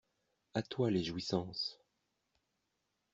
A toi les jouissances !